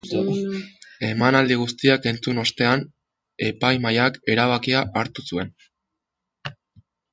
Emanaldi guztiak entzun ostean, epaimahaiak erabakia hartu zuen.